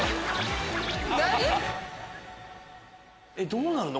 どうなるの？